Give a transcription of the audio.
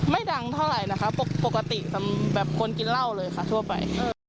ดังเท่าไหร่นะคะปกติสำหรับคนกินเหล้าเลยค่ะทั่วไป